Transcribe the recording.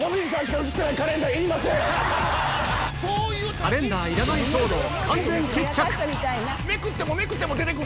カレンダーいらない騒動どうよ？